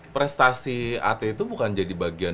prestasi atlet itu bukan jadi bagian